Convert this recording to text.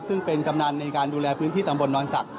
ซึ่งเป็นกำนันในการดูแลพื้นที่ตำบลนอนศักดิ